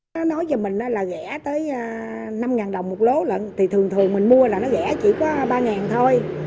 nó nói cho mình là rẻ tới năm đồng một lốn thì thường thường mình mua là nó rẻ chỉ có ba thôi